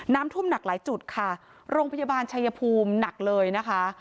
น้ำท่วมหนักหลายจุดค่ะโรงพยาบาลชายภูมิหนักเลยนะคะ